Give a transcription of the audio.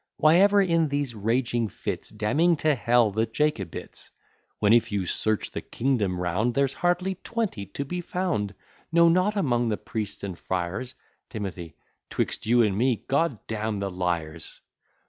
Why ever in these raging fits, Damning to hell the Jacobites? When if you search the kingdom round, There's hardly twenty to be found; No, not among the priests and friars T. 'Twixt you and me, G d d n the liars!